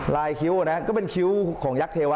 คิ้วนะก็เป็นคิ้วของยักษ์เทวะ